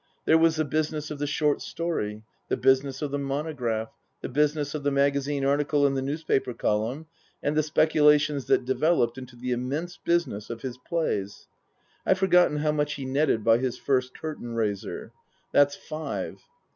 There was the business of the short story ; the business of the monograph ; the business of the magazine article and the newspaper column, and the speculations that developed into the immense business of his plays. (I've forgotten how much he netted by his first curtain raiser.) That's five.